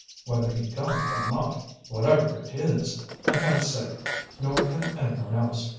Whether he got it or not whatever it is I can't say, nor can anyone else.